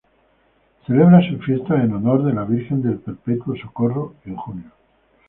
Celebra sus fiestas en honor de la Virgen del Perpetuo Socorro en junio.